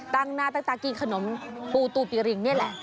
ตั้งหน้าตั้งตากินขนมปูตูปีริงนี่แหละ